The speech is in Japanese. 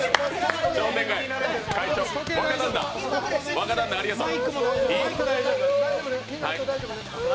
若旦那、ありがとう。